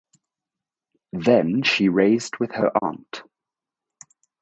Then she raised with her aunt.